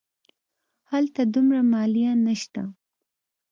هلته دومره مالیه نه شته.